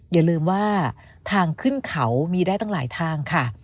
อย่าลืมว่าทางขึ้นเขามีได้ตั้งหลายทางค่ะ